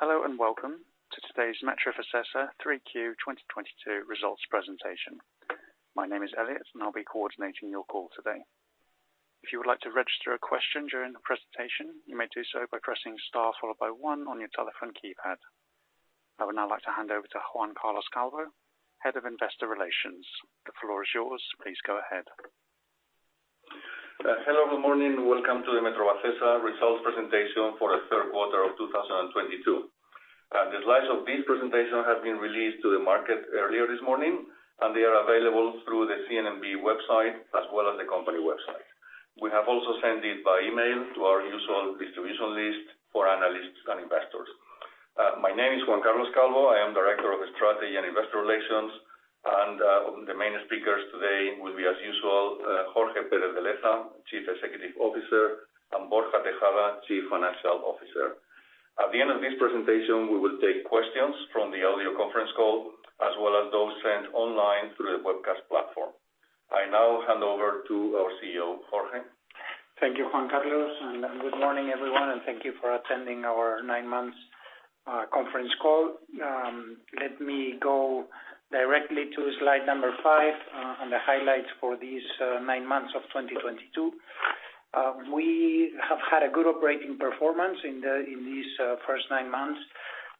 Hello, and welcome to today's Metrovacesa 3Q 2022 results presentation. My name is Elliot, and I'll be coordinating your call today. If you would like to register a question during the presentation, you may do so by pressing star followed by one on your telephone keypad. I would now like to hand over to Juan Carlos Calvo, Head of Investor Relations. The floor is yours. Please go ahead. Hello, good morning. Welcome to the Metrovacesa results presentation for the third quarter of 2022. The slides of this presentation have been released to the market earlier this morning, and they are available through the CNMV website as well as the company website. We have also sent it by email to our usual distribution list for analysts and investors. My name is Juan Carlos Calvo. I am Director of Strategy and Investor Relations, and the main speakers today will be, as usual, Jorge Pérez de Leza, Chief Executive Officer, and Borja Tejada, Chief Financial Officer. At the end of this presentation, we will take questions from the audio conference call, as well as those sent online through the webcast platform. I now hand over to our CEO, Jorge. Thank you, Juan Carlos, and good morning, everyone, and thank you for attending our nine months conference call. Let me go directly to slide number five, and the highlights for these nine months of 2022. We have had a good operating performance in these first nine months.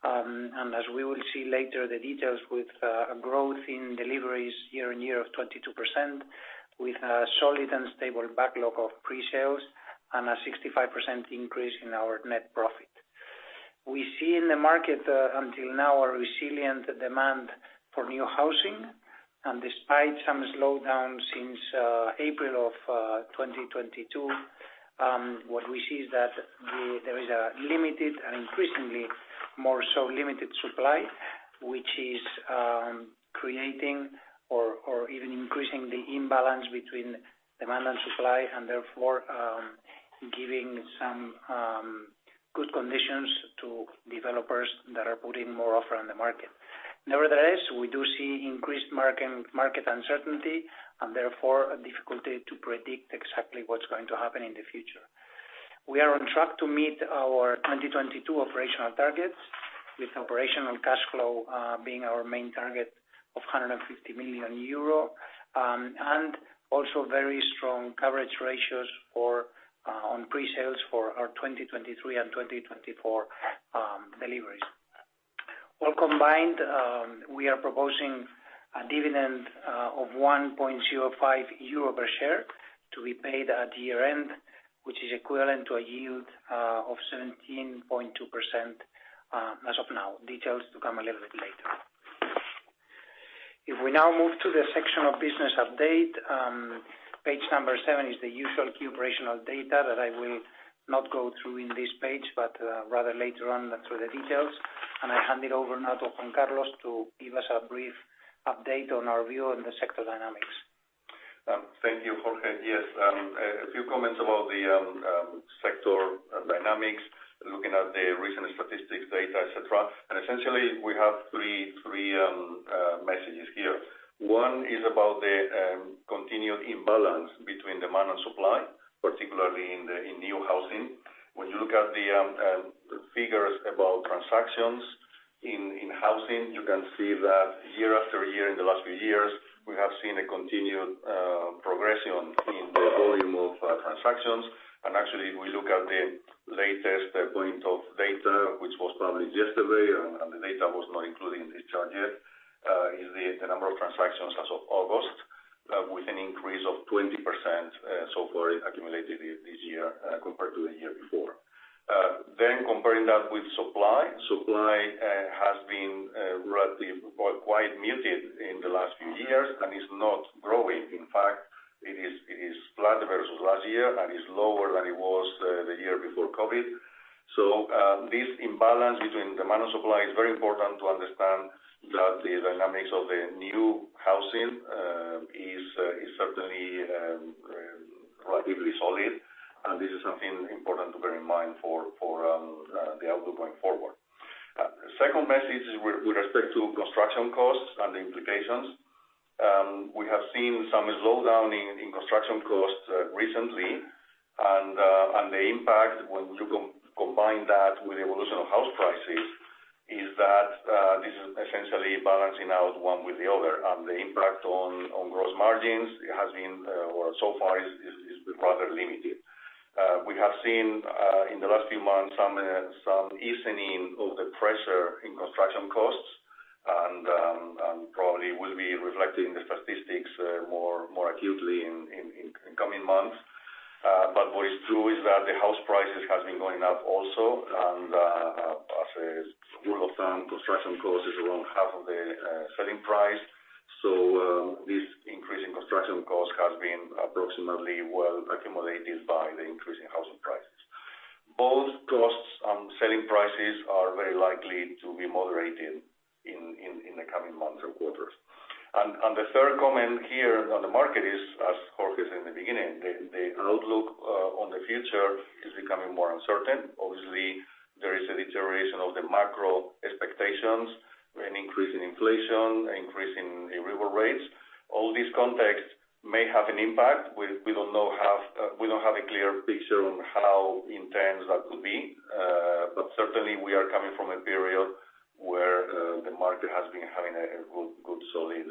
As we will see later, the details with a growth in deliveries year-on-year of 22%, with a solid and stable backlog of pre-sales and a 65% increase in our net profit. We see in the market until now a resilient demand for new housing. Despite some slowdown since April of 2022, what we see is that there is a limited and increasingly more so limited supply, which is creating or even increasing the imbalance between demand and supply, and therefore giving some good conditions to developers that are putting more offer on the market. Nevertheless, we do see increased market uncertainty, and therefore a difficulty to predict exactly what's going to happen in the future. We are on track to meet our 2022 operational targets with operational cash flow being our main target of 150 million euro, and also very strong coverage ratios for our pre-sales for our 2023 and 2024 deliveries. All combined, we are proposing a dividend of 1.05 euro per share to be paid at year-end, which is equivalent to a yield of 17.2%, as of now. Details to come a little bit later. If we now move to the section of business update, page 7 is the usual key operational data that I will not go through in this page, but rather later on through the details. I hand it over now to Juan Carlos to give us a brief update on our view on the sector dynamics. Thank you, Jorge. Yes, a few comments about the sector dynamics, looking at the recent statistics data, et cetera. Essentially, we have three messages here. One is about the continued imbalance between demand and supply, particularly in new housing. When you look at the figures about transactions in housing, you can see that year after year in the last few years, we have seen a continued progression in the volume of transactions. Actually, if we look at the latest data point, which was published yesterday, and the data was not included in the chart yet, is the number of transactions as of August with an increase of 20%, so far accumulated this year, compared to the year before. Comparing that with supply. Supply has been relatively or quite muted in the last few years and is not growing. In fact, it is flat versus last year and is lower than it was the year before COVID. This imbalance between demand and supply is very important to understand that the dynamics of the new housing is certainly relatively solid. This is something important to bear in mind for the outlook going forward. Second message is with respect to construction costs and the implications. We have seen some slowdown in construction costs recently. The impact when you combine that with evolution of house prices is that this is essentially balancing out one with the other. The impact on gross margins has been or so far is rather limited. We have seen in the last few months some easing of the pressure in construction costs and probably will be reflected in the statistics more acutely in coming months. What is true is that the house prices has been going up also. As a rule of thumb, construction cost is around half of the selling price. This increase in construction cost has been approximately well accommodated by the increase in housing prices. Both costs and selling prices are very likely to be moderated in the coming months or quarters. The third comment here on the market is, as Jorge said in the beginning, the outlook on the future is becoming more uncertain. Obviously, there is a deterioration of the macro expectations. An increase in inflation, an increase in rental rates. All this context may have an impact. We don't know, we don't have a clear picture on how intense that could be. But certainly we are coming from a period where the market has been having a good solid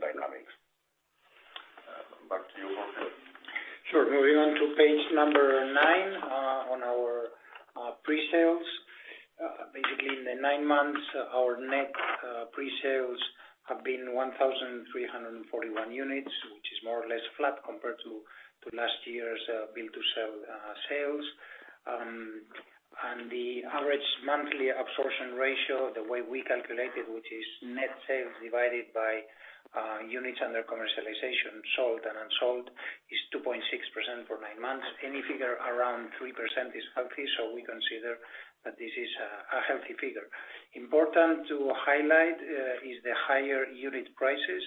dynamics. Back to you, Jorge. Sure. Moving on to page number nine, on our pre-sales. Basically, in the nine months, our net pre-sales have been 1,341 units, which is more or less flat compared to last year's build to sell sales. The average monthly absorption ratio, the way we calculate it, which is net sales divided by units under commercialization, sold and unsold, is 2.6% for nine months. Any figure around 3% is healthy, so we consider that this is a healthy figure. Important to highlight is the higher unit prices,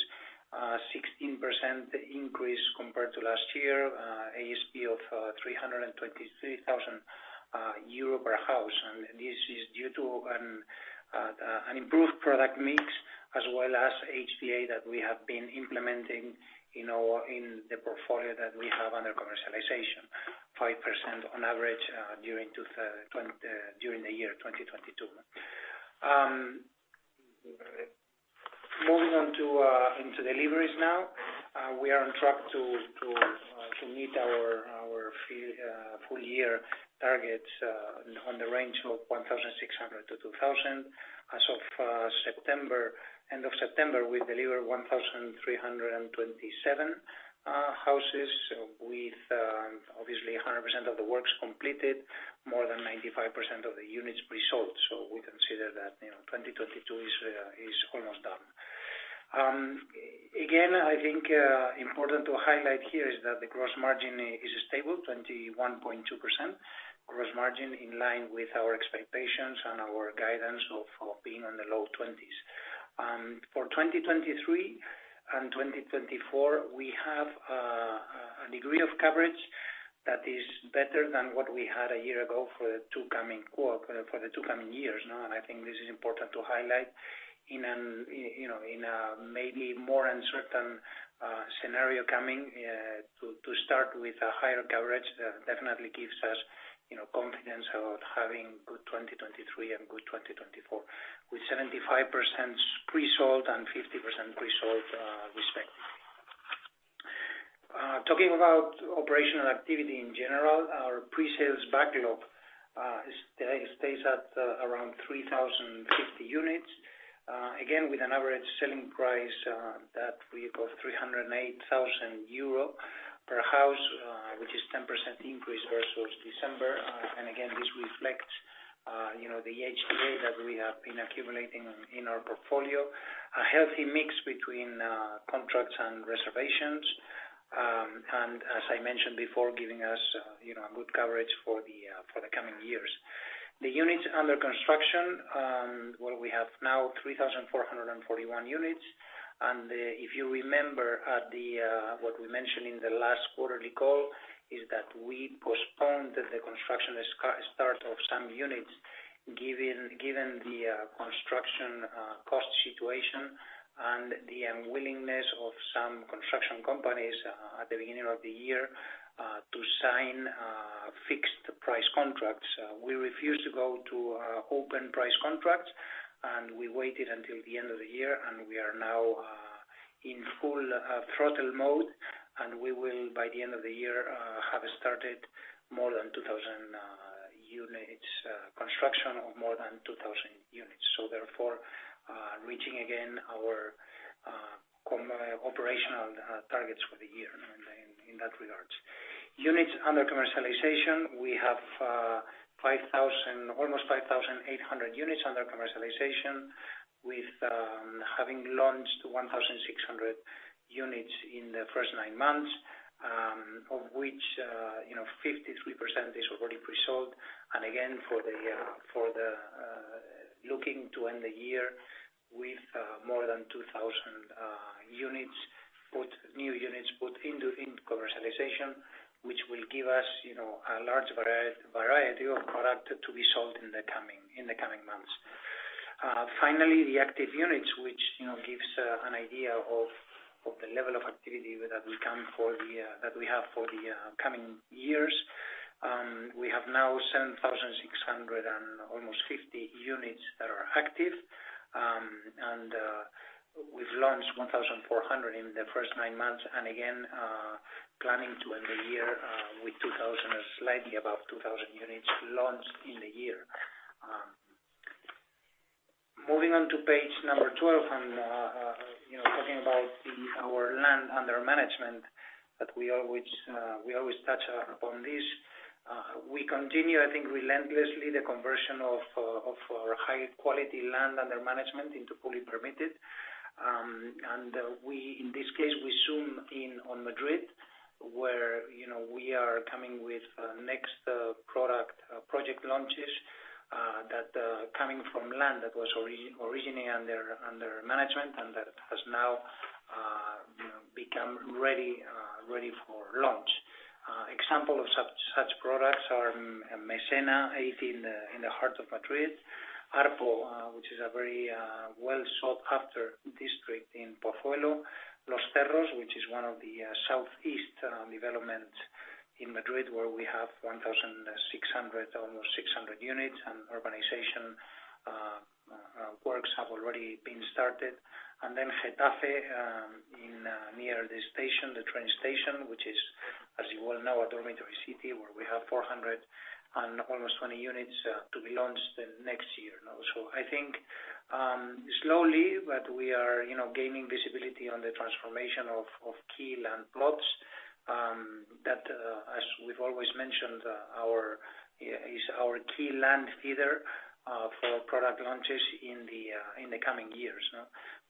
16% increase compared to last year, ASP of 323,000 euro per house. This is due to an improved product mix as well as HPA that we have been implementing, you know, in the portfolio that we have under commercialization, 5% on average, during the year 2022. Moving on to deliveries now. We are on track to meet our full year targets, in the range of 1,600-2,000. As of end of September, we delivered 1,327 houses with obviously 100% of the works completed, more than 95% of the units pre-sold. We consider that, you know, 2022 is almost done. Again, I think important to highlight here is that the gross margin is stable, 21.2% gross margin, in line with our expectations and our guidance of being on the low 20s. For 2023 and 2024, we have a degree of coverage that is better than what we had a year ago for the two coming years, you know. I think this is important to highlight in a you know in a maybe more uncertain scenario coming to start with a higher coverage definitely gives us you know confidence of having good 2023 and good 2024, with 75% pre-sold and 50% pre-sold respectively. Talking about operational activity in general, our pre-sales backlog today stands at around 3,050 units. Again, with an average selling price that we've got 308,000 euro per house, which is 10% increase versus December. Again, this reflects you know the HPA that we have been accumulating in our portfolio. A healthy mix between contracts and reservations, and as I mentioned before, giving us you know a good coverage for the coming years. The units under construction, we have now 3,441 units. If you remember what we mentioned in the last quarterly call, it is that we postponed the start of some units given the construction cost situation and the unwillingness of some construction companies at the beginning of the year to sign fixed price contracts. We refused to go to open price contracts, and we waited until the end of the year, and we are now in full throttle mode. We will, by the end of the year, have started construction of more than 2,000 units, so therefore reaching again our operational targets for the year in that regard. Units under commercialization, we have 5,000, almost 5,800 units under commercialization with having launched 1,600 units in the first nine months, of which, you know, 53% is already pre-sold. Again, looking to end the year with more than 2,000 new units put into commercialization, which will give us, you know, a large variety of product to be sold in the coming months. Finally, the active units, which, you know, gives an idea of the level of activity that we have for the coming years. We have now 7,600 and almost 50 units that are active. We've launched 1,400 in the first nine months, planning to end the year with 2,000 or slightly above 2,000 units launched in the year. Moving on to page 12, you know, talking about our land under management that we always touch on this. We continue, I think, relentlessly the conversion of our high quality land under management into fully permitted. We in this case zoom in on Madrid, where, you know, we are coming with next product project launches that coming from land that was originally under management and that has now become ready for launch. Example of such products are Mesena in the heart of Madrid. ARPO, which is a very well sought after district in Pozuelo. Los Cerros, which is one of the southeast developments in Madrid, where we have 1,600 units, and urbanization works have already been started. Getafe, in near the station, the train station, which is, as you well know, a dormitory city, where we have 420 units to be launched next year now. I think slowly, but we are, you know, gaining visibility on the transformation of key land plots that as we've always mentioned our land bank is our key land feeder for product launches in the coming years.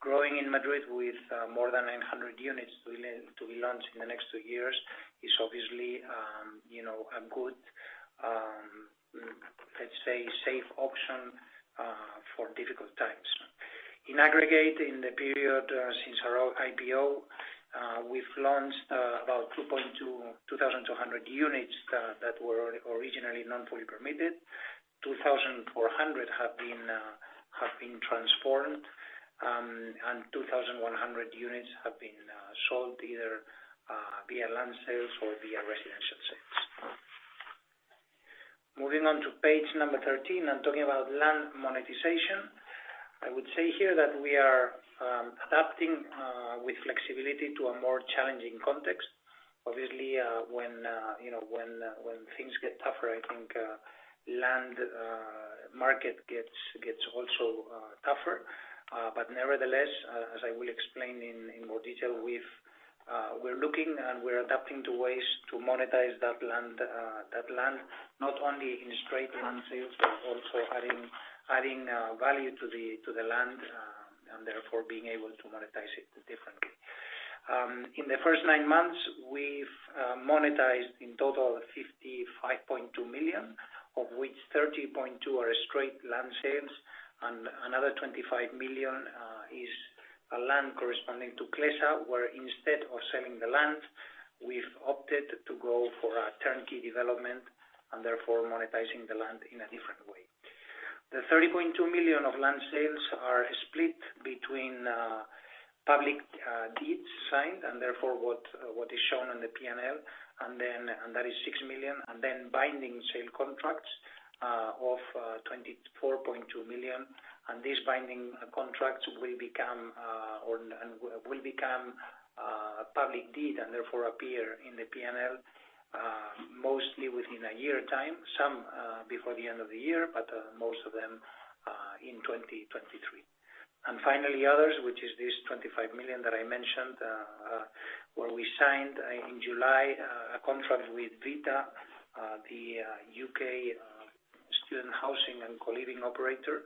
Growing in Madrid with more than 900 units to be launched in the next two years is obviously you know a good let's say safe option for difficult times. In aggregate in the period since our IPO we've launched about 2,200 units that were originally not fully permitted. 2,400 have been transformed and 2,100 units have been sold either via land sales or via residential sales. Moving on to page number 13 and talking about land monetization. I would say here that we are adapting with flexibility to a more challenging context. Obviously when you know when things get tougher I think land market gets also tougher. Nevertheless, as I will explain in more detail, we're looking and we're adapting to ways to monetize that land, not only in straight land sales, but also adding value to the land, and therefore being able to monetize it differently. In the first nine months, we've monetized in total 55.2 million, of which 30.2 million are straight land sales and another 25 million is land corresponding to Clesa, where instead of selling the land, we've opted to go for a turnkey development and therefore monetizing the land in a different way. The 30.2 million of land sales are split between public deeds signed, and therefore what is shown on the P&L, and that is 6 million, and then binding sale contracts of 24.2 million. These binding contracts will become public deeds and therefore appear in the P&L, mostly within a year time. Some before the end of the year, but most of them in 2023. Finally, others, which is this 25 million that I mentioned, where we signed in July a contract with Vita, the UK student housing and co-living operator,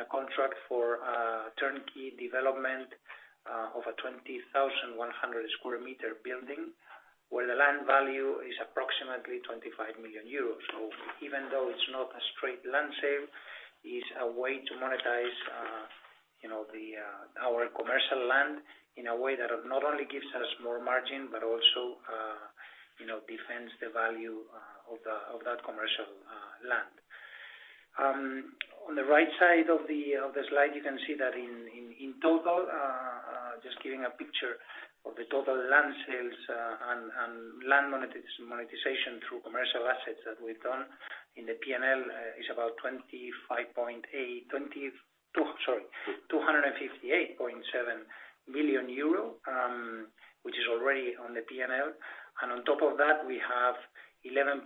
a contract for a turnkey development of a 20,100 square meter building, where the land value is approximately 25 million euros. Even though it's not a straight land sale, it's a way to monetize, you know, our commercial land in a way that not only gives us more margin, but also, you know, defends the value of that commercial land. On the right side of the slide, you can see that in total, just giving a picture of the total land sales and land monetization through commercial assets that we've done in the P&L, is about 258.7 million euro, which is already on the P&L. On top of that, we have 11.3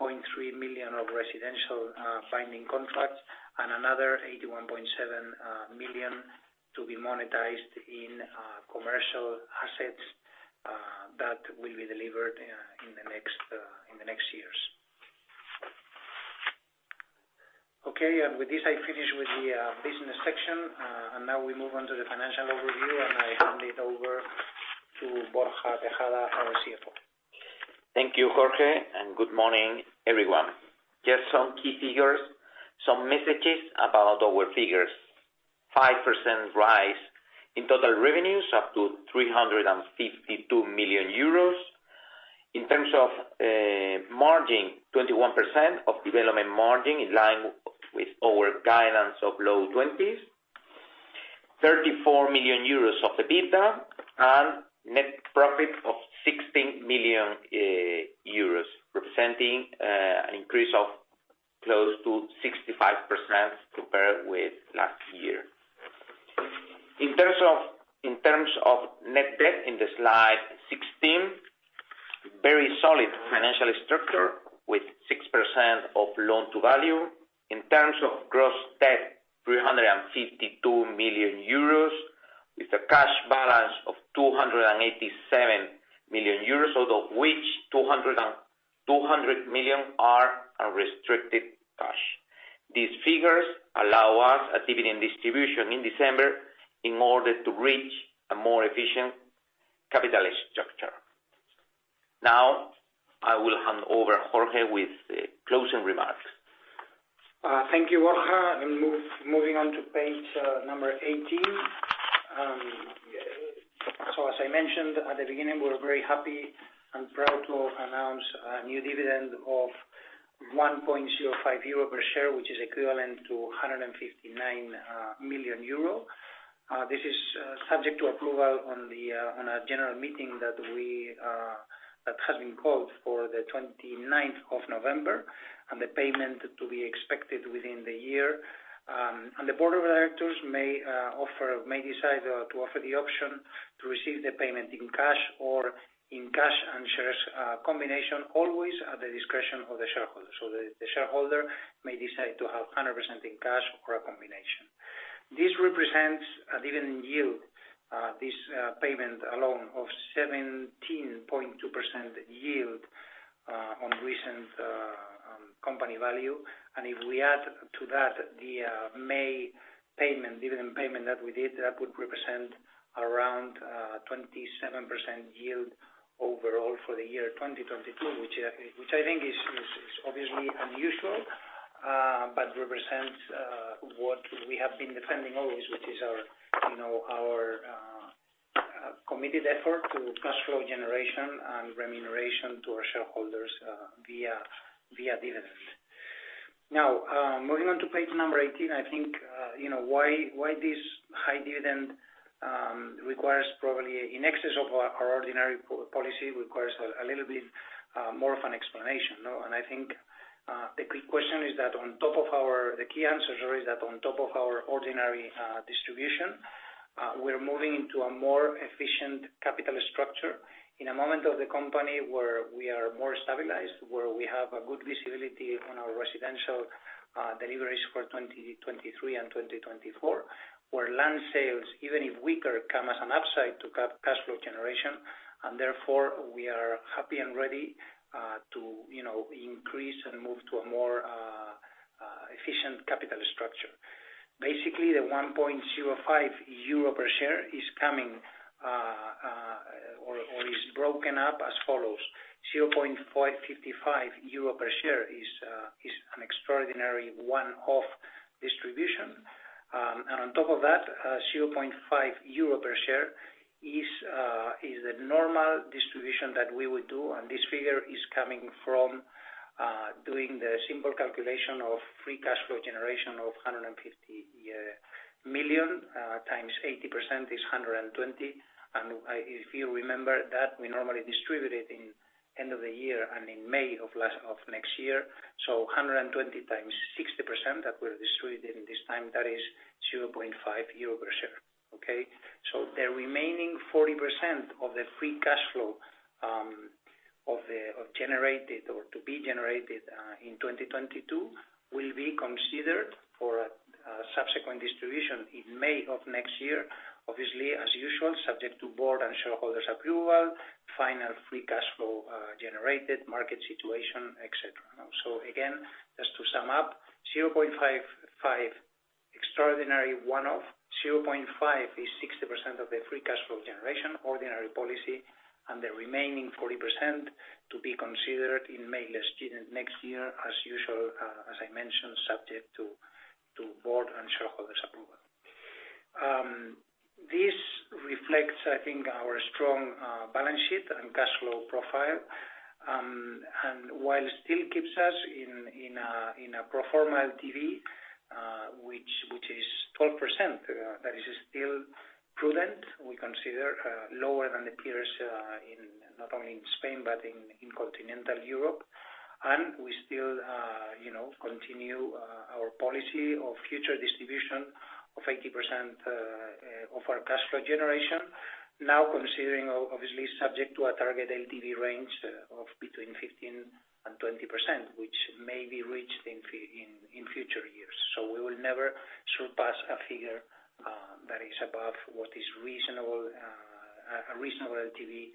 million of residential binding contracts and another 81.7 million to be monetized in commercial assets that will be delivered in the next years. Okay. With this, I finish with the business section, and now we move on to the financial overview, and I hand it over to Borja Tejada, our CFO. Thank you, Jorge, and good morning, everyone. Just some key figures, some messages about our figures. 5% rise in total revenues up to 352 million euros. In terms of margin, 21% of development margin in line with our guidance of low 20s. 34 million euros of EBITDA and net profit of 16 million euros, representing an increase of close to 65% compared with last year. In terms of net debt in the slide 16, very solid financial structure with 6% of loan-to-value. In terms of gross debt, 352 million euros, with a cash balance of 287 million euros, out of which 200 million are unrestricted cash. These figures allow us a dividend distribution in December in order to reach a more efficient capital structure. Now, I will hand over Jorge with the closing remarks. Thank you, Borja. Moving on to page number 18. As I mentioned at the beginning, we're very happy and proud to announce a new dividend of 1.05 euro per share, which is equivalent to 159 million euro. This is subject to approval on a general meeting that has been called for the twenty-ninth of November, and the payment to be expected within the year. The board of directors may decide to offer the option to receive the payment in cash or in cash and shares combination, always at the discretion of the shareholder. The shareholder may decide to have 100% in cash or a combination. This represents a dividend yield, this payment alone of 17.2% yield on recent company value. If we add to that the May payment, dividend payment that we did, that would represent around 27% yield overall for the year 2022, which I think is obviously unusual, but represents what we have been defending always, which is our, you know, our committed effort to cash flow generation and remuneration to our shareholders via dividend. Now, moving on to page number 18, I think, you know, why this high dividend requires probably in excess of our ordinary policy requires a little bit more of an explanation, no? I think the quick question is that on top of our... The key answer is that on top of our ordinary distribution, we're moving into a more efficient capital structure in a moment of the company where we are more stabilized, where we have a good visibility on our residential deliveries for 2023 and 2024, where land sales, even if weaker, come as an upside to cash flow generation. Therefore, we are happy and ready to, you know, increase and move to a more efficient capital structure. Basically, the 1.05 euro per share is coming or is broken up as follows. 0.555 euro per share is an extraordinary one-off distribution. On top of that, 0.5 euro per share is the normal distribution that we would do. This figure is coming from doing the simple calculation of free cash flow generation of 150 million times 80% is 120 million. If you remember that, we normally distribute it at the end of the year and in May of next year. 120 million times 60% that we'll distribute at this time, that is 0.5 euro per share. Okay. The remaining 40% of the free cash flow of generated or to be generated in 2022 will be considered for a subsequent distribution in May of next year, obviously, as usual, subject to board and shareholders approval, final free cash flow generated, market situation, et cetera. Again, just to sum up, 0.55 extraordinary one-off, 0.5 is 60% of the free cash flow generation ordinary policy, and the remaining 40% to be considered in May next year, as usual, as I mentioned, subject to board and shareholders approval. This reflects, I think, our strong balance sheet and cash flow profile. And while still keeps us in a pro forma LTV, which is 12%, that is still prudent, we consider, lower than the peers in not only Spain, but in continental Europe. We still, you know, continue our policy of future distribution of 80% of our cash flow generation. Now considering obviously subject to a target LTV range of between 15% and 20%, which may be reached in future years. We will never surpass a figure that is above what is reasonable, a reasonable LTV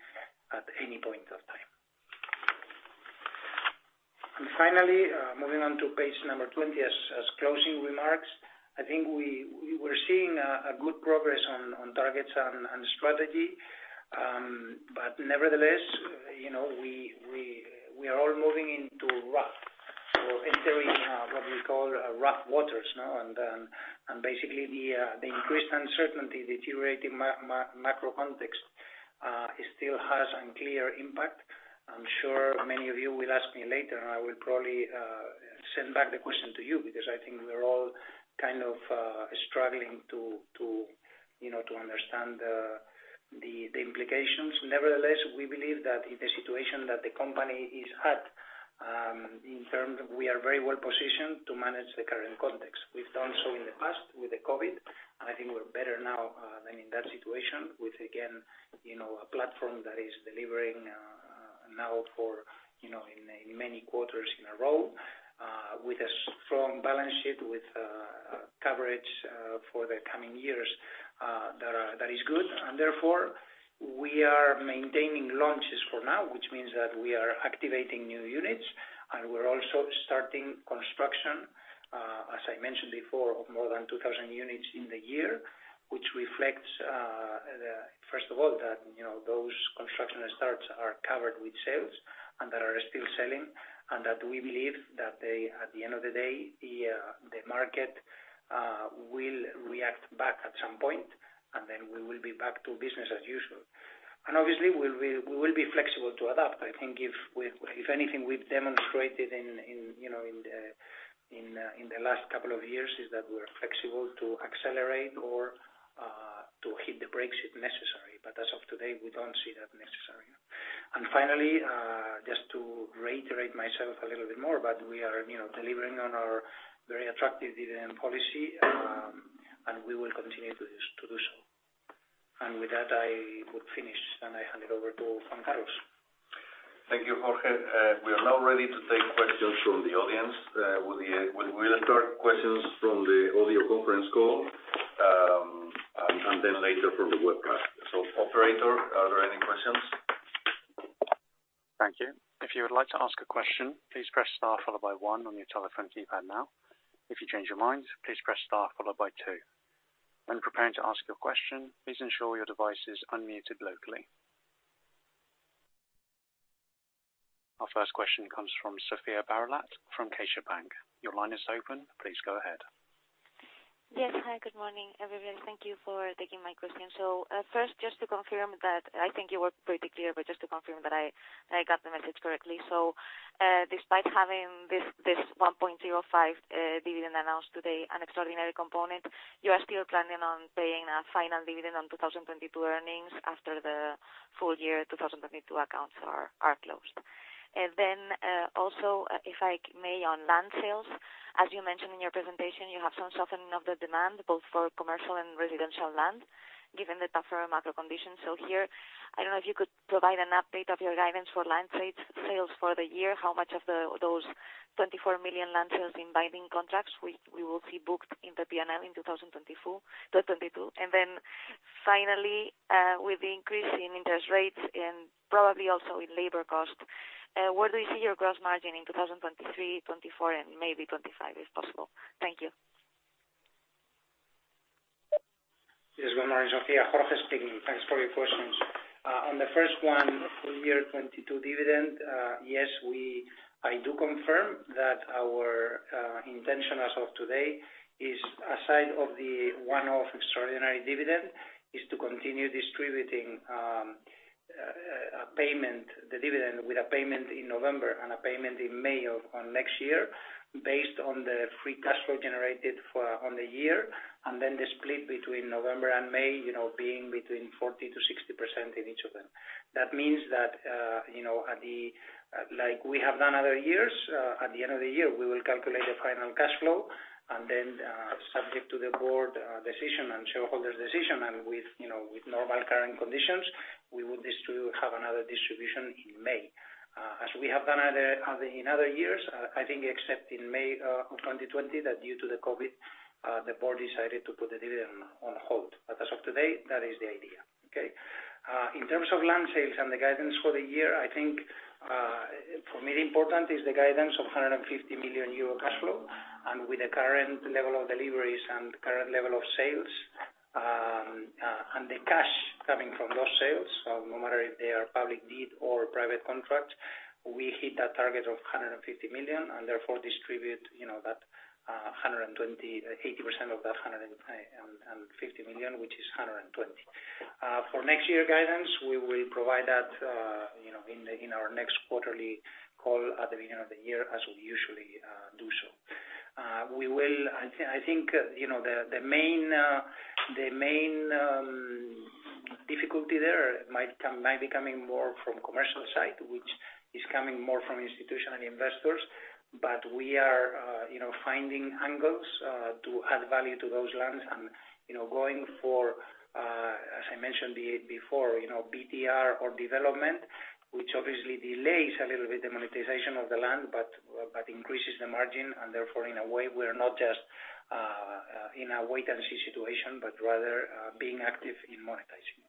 at any point of time. Finally, moving on to page number 20 as closing remarks. I think we were seeing a good progress on targets and strategy. Nevertheless, you know, we are all moving into rough or entering what we call rough waters, no? Basically the increased uncertainty, the deteriorating macro context, it still has unclear impact. I'm sure many of you will ask me later, and I will probably send back the question to you because I think we're all kind of struggling to you know to understand the implications. Nevertheless, we believe that in the situation that the company is at in terms of we are very well positioned to manage the current context. We've done so in the past with the COVID, and I think we're better now than in that situation with again you know a platform that is delivering now for you know in many quarters in a row with a strong balance sheet with coverage for the coming years that is good. Therefore, we are maintaining launches for now, which means that we are activating new units. We're also starting construction, as I mentioned before, of more than 2,000 units in the year, which reflects, first of all, that, you know, those construction starts are covered with sales and that are still selling. That we believe that they, at the end of the day, the market, will react back at some point, and then we will be back to business as usual. Obviously, we'll be flexible to adapt. I think if anything, we've demonstrated in, you know, in the last couple of years is that we're flexible to accelerate or to hit the brakes if necessary. As of today, we don't see that necessary. Finally, just to reiterate myself a little bit more, but we are, you know, delivering on our very attractive dividend policy, and we will continue to do so. With that, I would finish, and I hand it over to Juan Carlos. Thank you, Jorge. We are now ready to take questions from the audience. We'll start questions from the audio conference call, and then later from the webcast. Operator, are there any questions? Thank you. If you would like to ask a question, please press star followed by one on your telephone keypad now. If you change your mind, please press star followed by two. When preparing to ask your question, please ensure your device is unmuted locally. Our first question comes from Sofía Barallat from CaixaBank. Your line is open. Please go ahead. Yes. Hi, good morning, everybody. Thank you for taking my question. First, just to confirm that I think you were pretty clear, but just to confirm that I got the message correctly. Despite having this 1.05 dividend announced today an extraordinary component, you are still planning on paying a final dividend on 2022 earnings after the full year 2022 accounts are closed. Also, if I may, on land sales, as you mentioned in your presentation, you have some softening of the demand both for commercial and residential land, given the tougher macro conditions. here, I don't know if you could provide an update of your guidance for land sales for the year, how much of those 24 million land sales in binding contracts we will see booked in the P&L in 2024, 2022. Finally, with the increase in interest rates and probably also in labor cost, where do you see your gross margin in 2023, 2024, and maybe 2025 if possible? Thank you. Yes. Good morning, Sofía. Jorge speaking. Thanks for your questions. On the first one, full year 2022 dividend, yes, I do confirm that our intention as of today aside of the one-off extraordinary dividend is to continue distributing a payment, the dividend with a payment in November and a payment in May of next year based on the free cash flow generated for the year, and then the split between November and May, you know, being between 40%-60% in each of them. That means that, you know, like we have done other years, at the end of the year, we will calculate the final cash flow and then, subject to the board decision and shareholders' decision and with, you know, with normal current conditions, we will have another distribution in May. As we have done in other years, I think except in May of 2020 that due to the COVID, the board decided to put the dividend on hold. As of today, that is the idea. Okay? In terms of land sales and the guidance for the year, I think for me, the important is the guidance of 150 million euro cash flow. With the current level of deliveries and current level of sales, and the cash coming from those sales, so no matter if they are public deed or private contract, we hit that target of 150 million and therefore distribute, you know, that 120, 80% of that 150 million, which is 120. For next year guidance, we will provide that, you know, in our next quarterly call at the beginning of the year as we usually do so. I think, you know, the main difficulty there might come, might be coming more from commercial side, which is coming more from institutional investors. We are, you know, finding angles to add value to those lands and, you know, going for, as I mentioned before, you know, BTR or development, which obviously delays a little bit the monetization of the land, but increases the margin, and therefore in a way, we're not just in a wait and see situation, but rather being active in monetizing.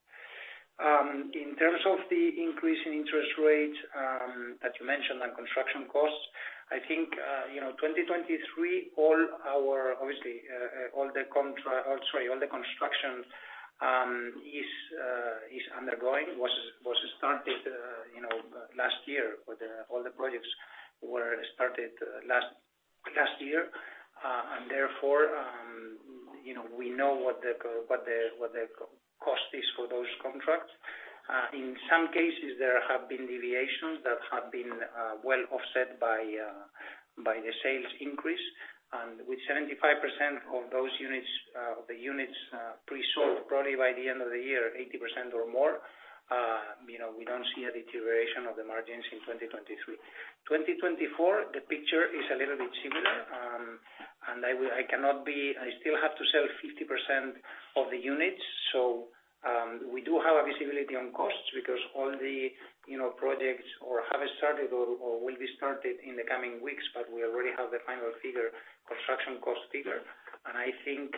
In terms of the increase in interest rates, as you mentioned, and construction costs, I think, you know, 2023 all our obviously all the construction was started, you know, last year, all the projects were started last year. Therefore, you know, we know what the cost is for those contracts. In some cases, there have been deviations that have been well offset by the sales increase. With 75% of those units pre-sold probably by the end of the year, 80% or more, you know, we don't see a deterioration of the margins in 2023. 2024, the picture is a little bit similar. I cannot be. I still have to sell 50% of the units. We do have visibility on costs because all the, you know, projects have started or will be started in the coming weeks, but we already have the final figure, construction cost figure. I think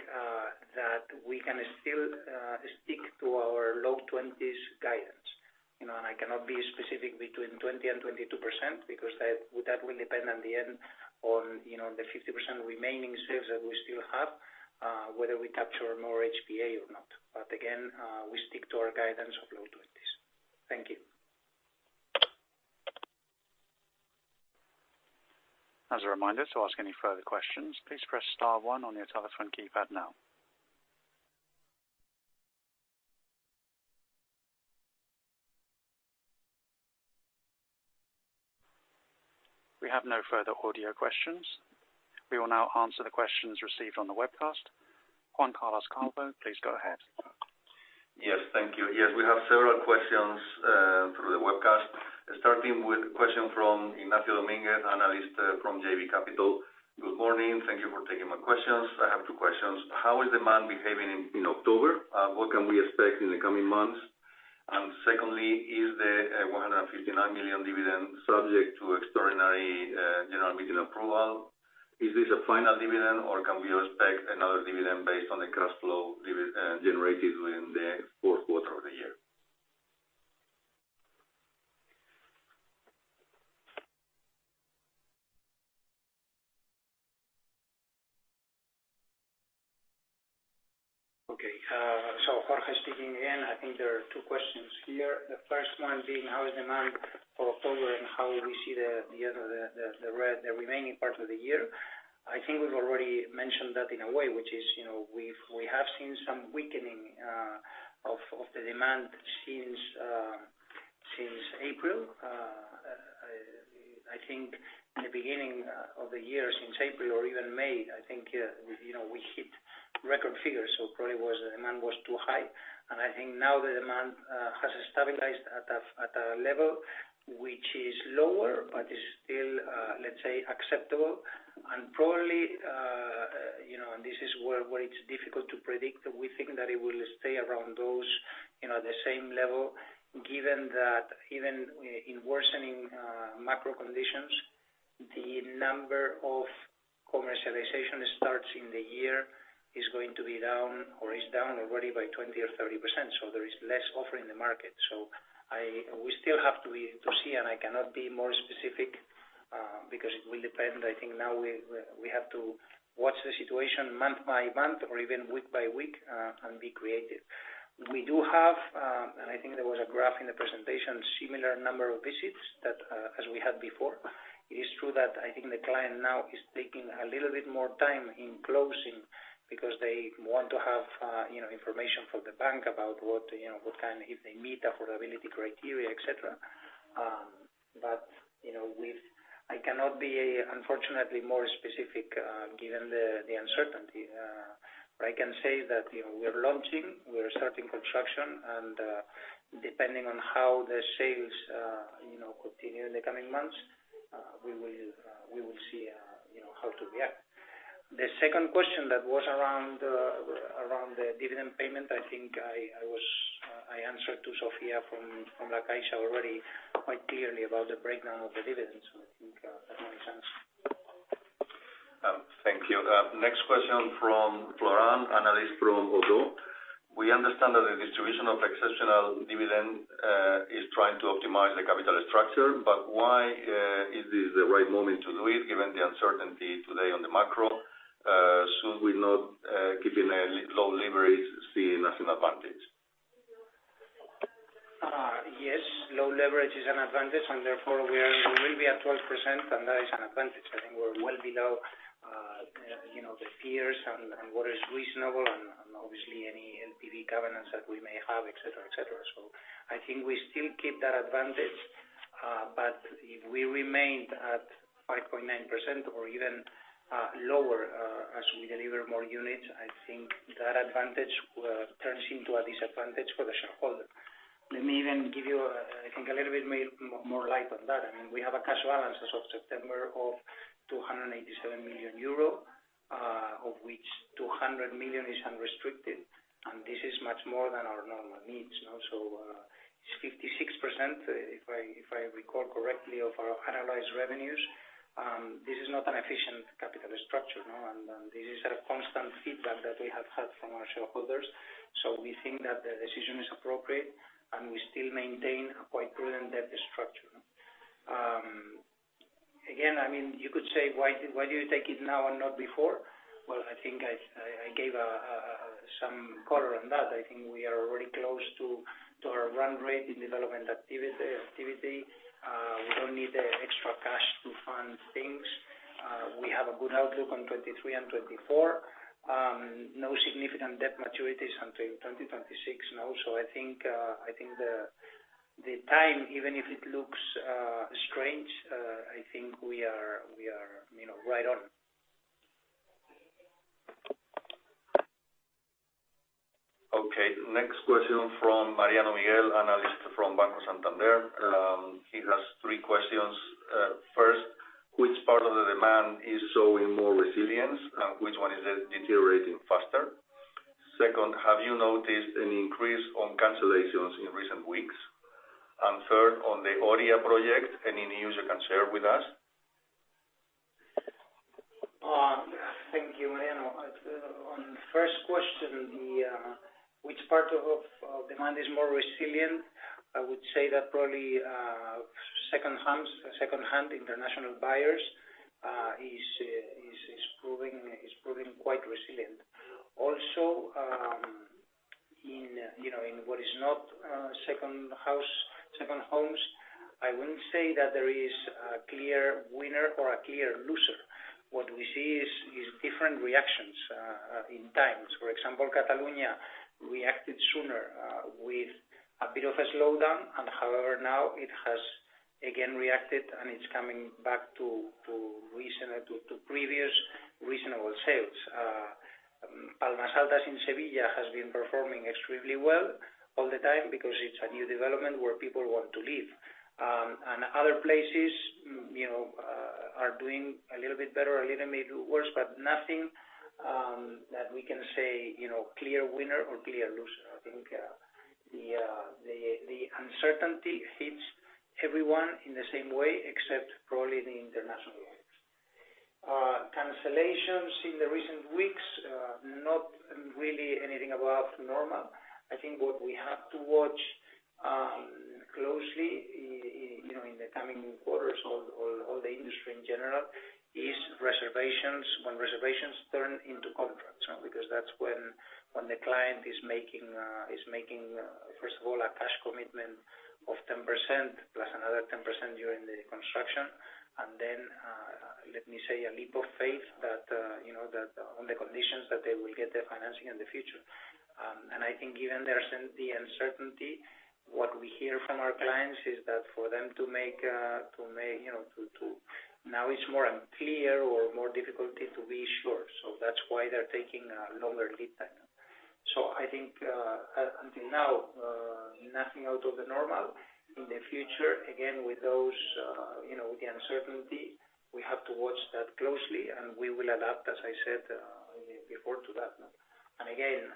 that we can still stick to our low 20s guidance. You know, I cannot be specific between 20 and 22% because that will depend in the end on, you know, the 50% remaining sales that we still have, whether we capture more HPA or not. Again, we stick to our guidance of low 20s. Thank you. As a reminder, to ask any further questions, please press star one on your telephone keypad now. We have no further audio questions. We will now answer the questions received on the webcast. Juan Carlos Calvo, please go ahead. Yes, thank you. Yes, we have several questions through the webcast, starting with a question from Ignacio Domínguez, analyst, from JB Capital. Good morning. Thank you for taking my questions. I have two questions. How is demand behaving in October? What can we expect in the coming months? Secondly, is the 159 million dividend subject to extraordinary general meeting approval? Is this a final dividend, or can we expect another dividend based on the cash flow generated in the fourth quarter of the year? Jorge speaking again. I think there are two questions here. The first one being how is demand for October, and how we see the remaining part of the year. I think we've already mentioned that in a way, which is, you know, we have seen some weakening of the demand since April. I think in the beginning of the year, since April or even May, I think, you know, we hit record figures. Probably demand was too high. I think now the demand has stabilized at a level which is lower but is still, let's say, acceptable. Probably, you know, and this is where it's difficult to predict, we think that it will stay around those, you know, the same level, given that even in worsening macro conditions, the number of commercialization starts in the year is going to be down or is down already by 20 or 30%, so there is less offer in the market. We still have to see, and I cannot be more specific, because it will depend. I think now we have to watch the situation month by month or even week by week, and be creative. We do have, and I think there was a graph in the presentation, similar number of visits as we had before. It is true that I think the client now is taking a little bit more time in closing because they want to have, you know, information from the bank about what, you know, what kind if they meet affordability criteria, et cetera. You know, I cannot be, unfortunately, more specific, given the uncertainty. I can say that, you know, we are launching, we are starting construction, and depending on how the sales, you know, continue in the coming months, we will see, you know, how to react. The second question that was around the dividend payment, I think I answered to Sofía from CaixaBank already quite clearly about the breakdown of the dividends. I think that makes sense. Thank you. Next question from Florent, analyst from Oddo. We understand that the distribution of exceptional dividend is trying to optimize the capital structure, but why is this the right moment to do it given the uncertainty today on the macro? Should we not keeping a low leverage seen as an advantage? Yes, low leverage is an advantage, and therefore we are, we will be at 12%, and that is an advantage. I think we're well below, you know, the peers and what is reasonable and obviously any NAV governance that we may have, et cetera, et cetera. I think we still keep that advantage. If we remained at 5.9% or even lower, as we deliver more units, I think that advantage turns into a disadvantage for the shareholder. Let me even give you, I think a little bit more light on that. I mean, we have a cash balance as of September of 287 million euro, of which 200 million is unrestricted, and this is much more than our normal needs, you know? It's 56%, if I recall correctly, of our analyzed revenues. This is not an efficient capital structure, you know, and this is a constant feedback that we have had from our shareholders. We think that the decision is appropriate, and we still maintain a quite prudent debt structure. Again, I mean, you could say, "Why do you take it now and not before?" Well, I think I gave some color on that. I think we are already close to our run rate in development activity. We don't need the extra cash to fund things. We have a good outlook on 2023 and 2024. No significant debt maturities until 2026, you know. I think the time, even if it looks strange, I think we are, you know, right on. Okay. Next question from Mariano Miguel, analyst from Banco Santander. He has three questions. First, which part of the demand is showing more resilience, and which one is deteriorating faster? Second, have you noticed an increase in cancellations in recent weeks? And third, on the Oria project, any news you can share with us? Thank you, Mariano. On first question, which part of demand is more resilient, I would say that probably secondhand international buyers is proving quite resilient. Also, you know, in what is not second homes, I wouldn't say that there is a clear winner or a clear loser. What we see is different reactions in times. For example, Catalonia reacted sooner with a bit of a slowdown, and however, now it has again reacted, and it's coming back to previous reasonable sales. Palmas Altas in Sevilla has been performing extremely well all the time because it's a new development where people want to live. Other places, you know, are doing a little bit better or a little maybe worse, but nothing that we can say, you know, clear winner or clear loser. I think the uncertainty hits everyone in the same way except probably the international buyers. Cancellations in the recent weeks, not really anything above normal. I think what we have to watch closely, you know, in the coming quarters all the industry in general, is reservations, when reservations turn into contracts, because that's when the client is making first of all, a cash commitment of 10%, plus another 10% during the construction. Then, it's a leap of faith that, you know, on the condition that they will get their financing in the future. I think given the uncertainty, what we hear from our clients is that for them to make, you know, now it's more unclear or more difficult to be sure. That's why they're taking a longer lead time. I think until now, nothing out of the normal. In the future, again, with those, you know, the uncertainty, we have to watch that closely, and we will adapt, as I said, before to that one. Again,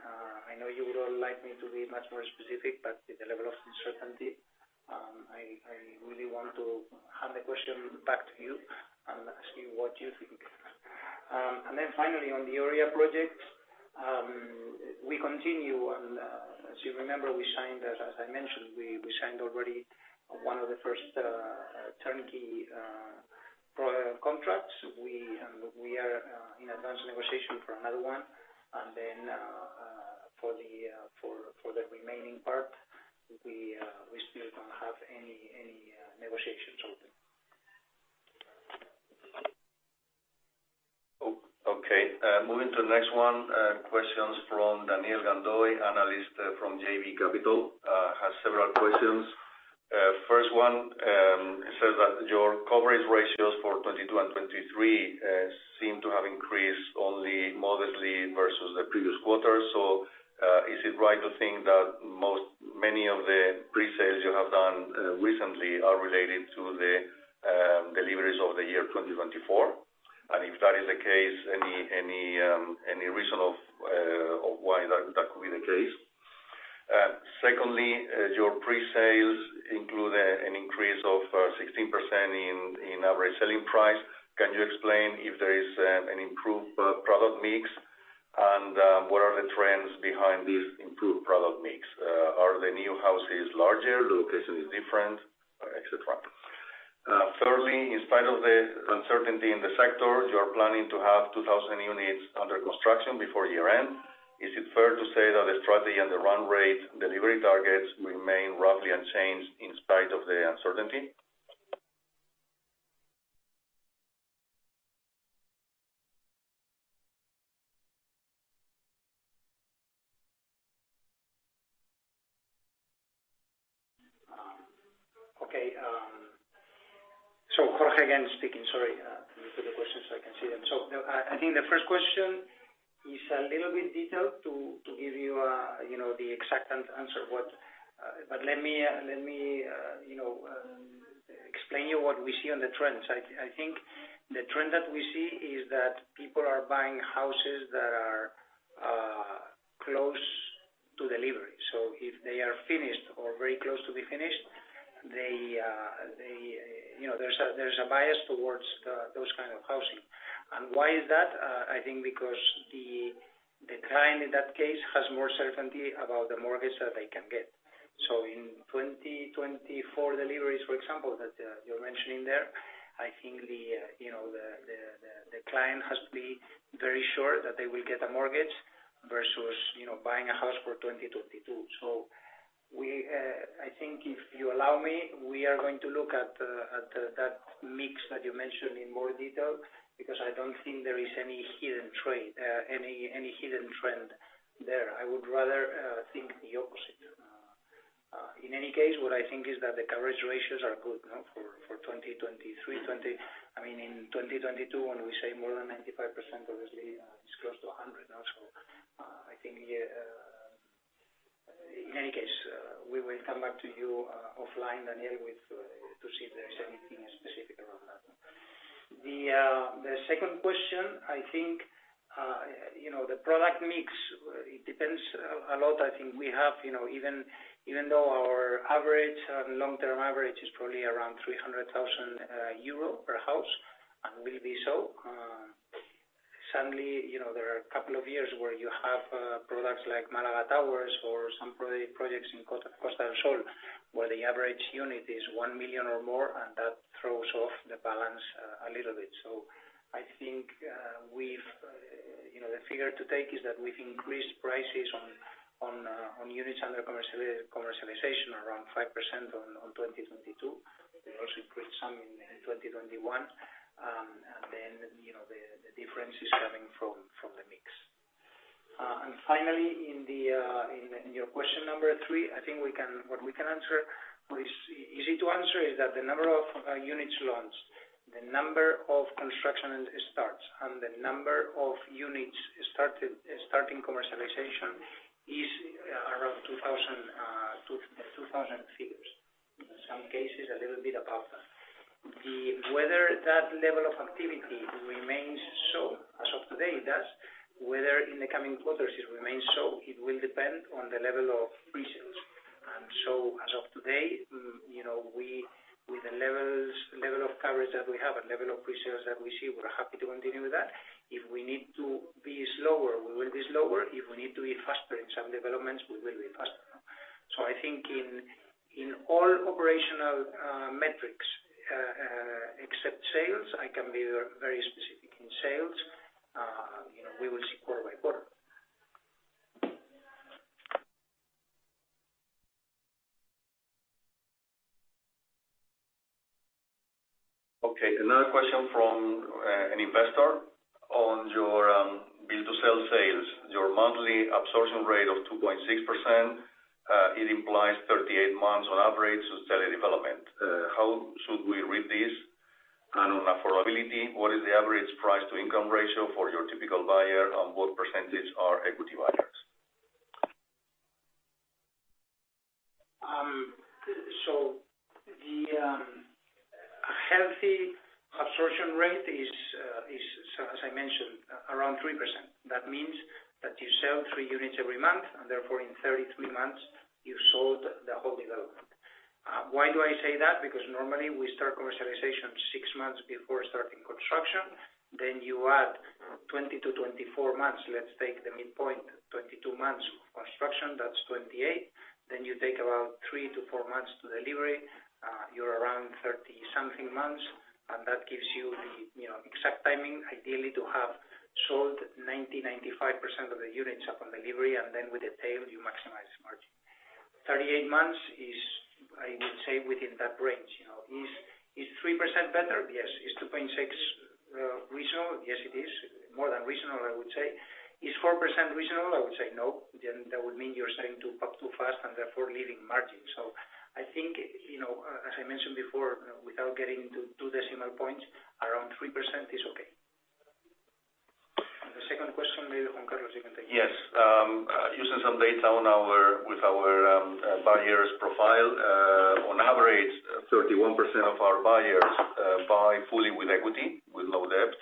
I know you would all like me to be much more specific, but with the level of uncertainty, I really want to hand the question back to you and ask you what you think. Finally, on the Oria project, we continue, and as you remember, we signed, as I mentioned, already one of the first turnkey contracts. We are in advanced negotiation for another one. For the remaining part, we still don't have any negotiations open. Okay. Moving to the next one, questions from Daniel Gandoy, analyst, from JB Capital. Has several questions. First one, he says that your coverage ratios for 2022 and 2023 seem to have increased only modestly versus the previous quarter. Is it right to think that many of the presales you have done recently are related to the deliveries over the year 2024? And if that is the case, any reason of why that could be the case? Secondly, your presales include an increase of 16% in average selling price. Can you explain if there is an improved product mix? And what are the trends behind this improved product mix? Are the new houses larger, location is different, et cetera? Thirdly, in spite of the uncertainty in the sector, you're planning to have 2,000 units under construction before year-end. Is it fair to say that the strategy and the run rate delivery targets remain roughly unchanged in spite of the uncertainty? Okay. Jorge again speaking, sorry. Let me see the questions so I can see them. I think the first question is a little bit detailed to give you know, the exact answer, but let me, you know, explain to you what we see on the trends. I think the trend that we see is that people are buying houses that are close to delivery. If they are finished or very close to be finished, they, you know, there's a bias towards those kind of housing. Why is that? I think because the client in that case has more certainty about the mortgage that they can get. In 2024 deliveries, for example, that you're mentioning there, I think you know, the client has to be very sure that they will get a mortgage versus, you know, buying a house for 2022. We, I think if you allow me, we are going to look at that mix that you mentioned in more detail because I don't think there is any hidden trade, any hidden trend there. I would rather think the opposite. In any case, what I think is that the coverage ratios are good, you know, for 2023, I mean, in 2022, when we say more than 95%, obviously, it's close to 100% now. I think in any case we will come back to you offline, Daniel, with to see if there is anything specific around that. The second question, I think you know, the product mix, it depends a lot. I think we have you know, even though our average long-term average is probably around 300,000 euro per house and will be so, suddenly you know, there are a couple of years where you have products like Málaga Towers or some projects in Costa del Sol where the average unit is 1 million or more, and that throws off the balance a little bit. I think we've you know, the figure to take is that we've increased prices on units under commercialization around 5% in 2022. We also put some in 2021. You know, the difference is coming from the mix. Finally, in your question number three, I think what we can answer, what is easy to answer is that the number of units launched, the number of construction starts, and the number of units starting commercialization is around 2,000, the 2,000 figures. In some cases, a little bit above that. Whether that level of activity remains so, as of today it does. Whether in the coming quarters it remains so, it will depend on the level of pre-sales. As of today, you know, with the level of coverage that we have and level of pre-sales that we see, we're happy to continue with that. If we need to be slower, we will be slower. If we need to be faster in some developments, we will be faster. I think in all operational metrics, except sales, I can be very specific in sales, you know, we will see quarter by quarter. Okay. Another question from an investor on your build to sell sales. Your monthly absorption rate of 2.6%, it implies 38 months on average since early development. How should we read this? On affordability, what is the average price to income ratio for your typical buyer, and what percentage are equity buyers? The healthy absorption rate is, as I mentioned, around 3%. That means that you sell three units every month, and therefore in 33 months, you've sold the whole development. Why do I say that? Because normally, we start commercialization six months before starting construction. You add 20-24 months, let's take the midpoint, 22 months construction, that's 28. You take around three to four months to delivery, you're around 30-something months, and that gives you the, you know, exact timing, ideally to have sold 90%-95% of the units upon delivery, and then with the tail, you maximize margin. 38 months is, I would say, within that range. You know, is 3% better? Yes. Is 2.6 reasonable? Yes, it is. More than reasonable, I would say. Is 4% reasonable? I would say no. That would mean you're selling up too fast and therefore leaving margin. I think, you know, as I mentioned before, without getting into two decimal points, around 3% is okay. The second question, maybe Juan Carlos, you can take. Yes. Using some data with our buyers' profile, on average, 31% of our buyers buy fully with equity, with no debt.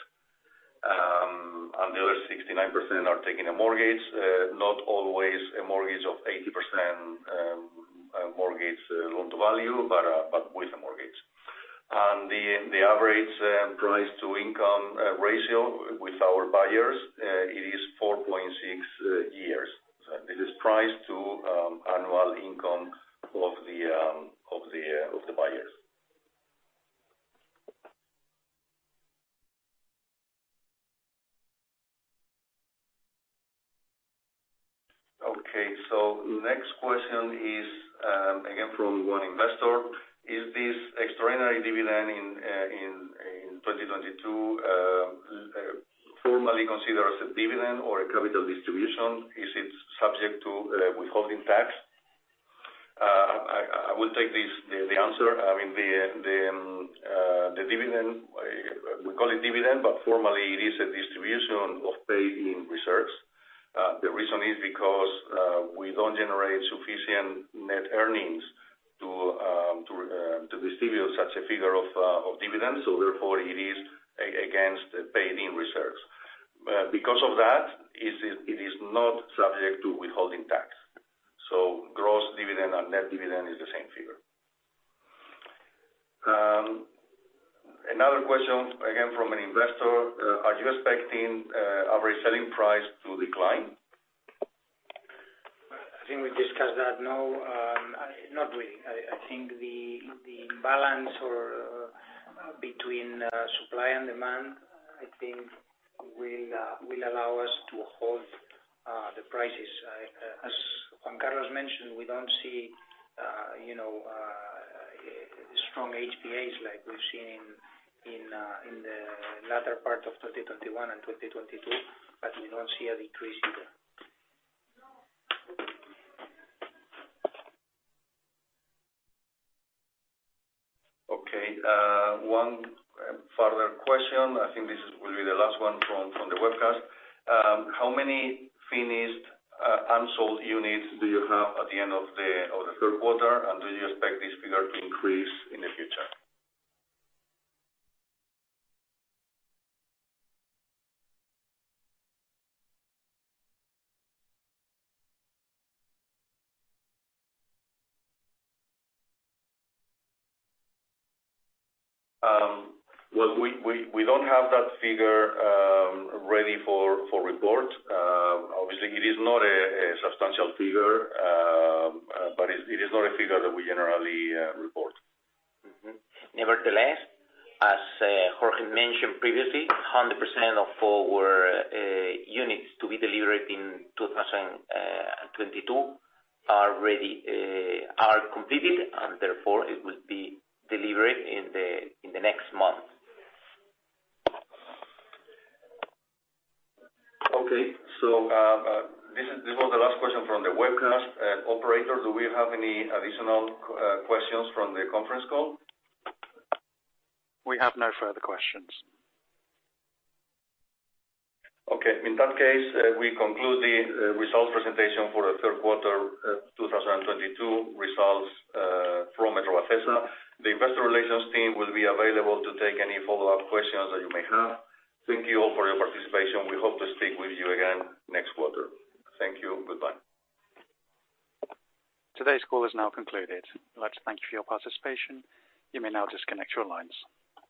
The other 69% are taking a mortgage, not always a mortgage of 80%, mortgage loan-to-value, but with a mortgage. The average price-to-income ratio with our buyers, it is 4.6 years. It is price to annual income of the buyers. Okay. Next question is, again from one investor. Is this extraordinary dividend in 2022 formally considered as a dividend or a capital distribution? Is it subject to withholding tax? I will take this answer. I mean, the dividend we call it dividend, but formally it is a distribution of paid-in reserves. The reason is because we don't generate sufficient net earnings to distribute such a figure of dividends, so therefore it is against paid-in reserves. Because of that, it is not subject to withholding tax. Gross dividend and net dividend is the same figure. Another question, again from an investor. Are you expecting average selling price to decline? I think we discussed that. No, not really. I think the balance between supply and demand, I think will allow us to hold the prices. As Juan Carlos mentioned, we don't see, you know, strong HPAs like we've seen in the latter part of 2021 and 2022, but we don't see a decrease either. Okay. One further question. I think this will be the last one from the webcast. How many finished unsold units do you have at the end of the third quarter and do you expect this figure to increase in the future? Well, we don't have that figure ready for report. Obviously it is not a substantial figure, but it is not a figure that we generally report. Nevertheless, as Jorge mentioned previously, 100% of our units to be delivered in 2022 are ready, are completed, and therefore it will be delivered in the next month. Okay. This was the last question from the webcast. Operator, do we have any additional questions from the conference call? We have no further questions. Okay. In that case, we conclude the result presentation for the third quarter 2022 results from Metrovacesa. The investor relations team will be available to take any follow-up questions that you may have. Thank you all for your participation. We hope to speak with you again next quarter. Thank you. Goodbye. Today's call is now concluded. I'd like to thank you for your participation. You may now disconnect your lines.